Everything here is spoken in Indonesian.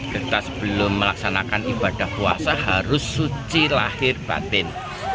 kita sebelum melaksanakan ibadah puasa harus suci lahir batin